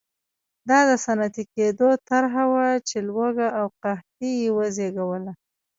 دا د صنعتي کېدو طرحه وه چې لوږه او قحطي یې وزېږوله.